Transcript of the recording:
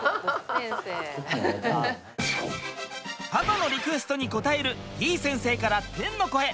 パパのリクエストに応えるてぃ先生から天の声！